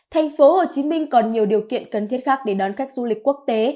tp hcm còn nhiều điều kiện cần thiết khác để đón khách du lịch quốc tế